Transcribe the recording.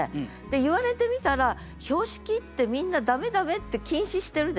言われてみたら標識ってみんな駄目駄目って禁止してるでしょ。